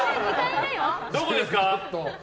どこですか？